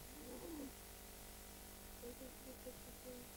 এর এক বছর পরে কলম্বাসের তৃতীয় যাত্রা দক্ষিণ আমেরিকার উপকূলের পৌঁছায়।